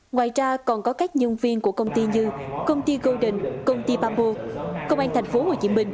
ngoài ra còn có các nhân viên của công ty như công ty golden công ty bambo công an tp hcm